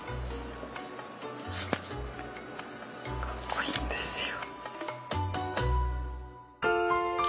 かっこいいんですよ。